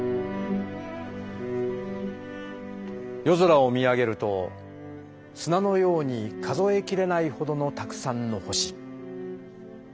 「夜空を見上げると砂のように数えきれないほどのたくさんの星。